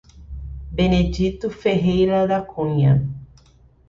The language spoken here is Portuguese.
Benedito Ferreira da Cunha